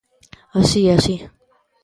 Así, así.